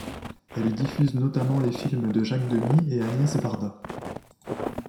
Elle diffuse notamment les films de Jacques Demy et Agnès Varda.